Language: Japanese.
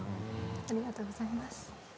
ありがとうございます。